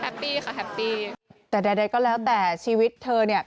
ปี้ค่ะแฮปปี้แต่ใดใดก็แล้วแต่ชีวิตเธอเนี่ย